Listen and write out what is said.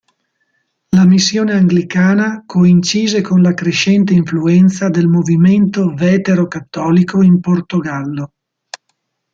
La missione anglicana coincise con la crescente influenza del movimento vetero-cattolico in Portogallo.